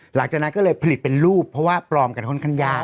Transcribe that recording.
หลังจากนั้นก็เลยผลิตเป็นรูปเพราะว่าปลอมกันค่อนข้างยาก